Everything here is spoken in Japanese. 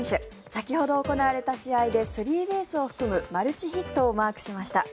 先ほど行われた試合でスリーベースを含むマルチヒットをマークしました。